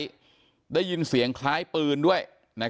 ก็ได้รู้สึกว่ามันกลายเป้าหมาย